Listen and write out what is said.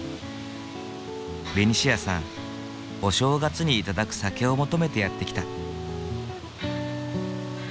ベニシアさんお正月に頂く酒を求めてやってきた。